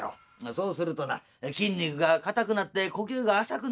そうするとな筋肉が硬くなって呼吸が浅くなる。